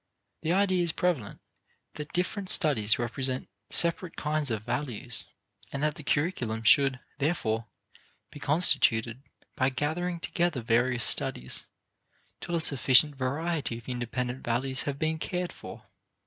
The idea is prevalent that different studies represent separate kinds of values, and that the curriculum should, therefore, be constituted by gathering together various studies till a sufficient variety of independent values have been cared for.